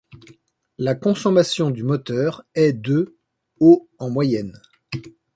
La consommation du moteur est de aux en moyenne.